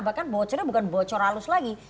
bahkan bocornya bukan bocor halus lagi